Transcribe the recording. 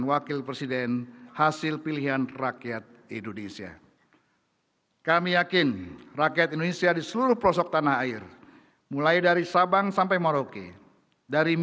wakil presiden sekaligus utusan khusus presiden republik rakyat tiongkok